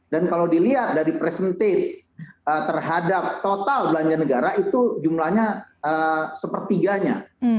dan kalau dilihat dari presentase terhadap total belanja negara itu jumlahnya sepertiganya